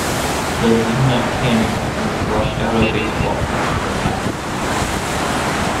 The Zee-Nut candy company rushed out a baseball card for Claxton.